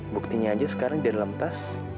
buktinya aja sekarang di dalam tas